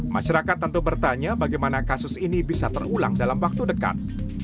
masyarakat tentu bertanya bagaimana kasus ini bisa terulang dalam waktu dekat